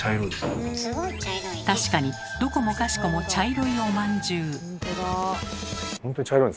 確かにどこもかしこも茶色いおまんじゅう。